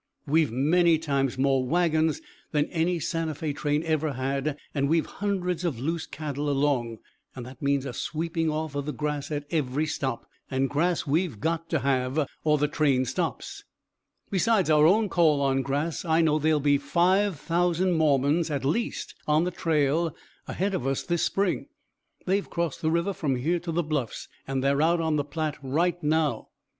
We've many times more wagons than any Santa Fé train ever had, and we've hundreds of loose cattle along. That means a sweeping off of the grass at every stop, and grass we've got to have or the train stops. "Besides our own call on grass, I know there'll be five thousand Mormons at least on the trail ahead of us this spring they've crossed the river from here to the Bluffs, and they're out on the Platte right now.